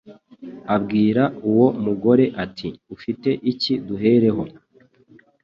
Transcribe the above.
abwira uwo mugore ati ufite iki duheraho